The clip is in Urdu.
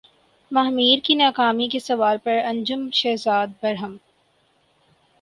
ماہ میر کی ناکامی کے سوال پر انجم شہزاد برہم